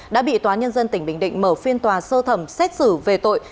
đã bị tòa nhân dân tỉnh bình định mở phiên tòa sơ thẩm xét xử về tội